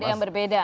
ada yang berbeda